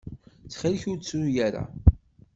Ttxil ur ttru ara.